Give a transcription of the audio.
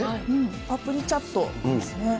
パプリチャットですね。